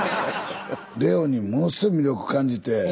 伶旺にものすごい魅力感じて。